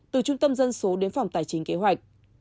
từ trung tâm dân số đến phòng tài chính kế hoạch